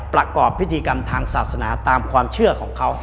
ประกอบพิธีกรรมทางศาสนาตามความเชื่อของเขา